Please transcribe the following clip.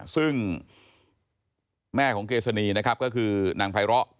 ซึ่งแม่ของเกษณีนะครับก็คือนางไพร้อ